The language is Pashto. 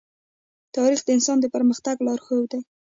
تاریخ د انسان د پرمختګ لارښود دی.